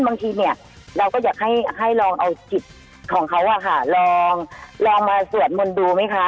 บางทีเนี่ยเราก็อยากให้ลองเอาจิตของเขาลองมาสวดมนต์ดูไหมคะ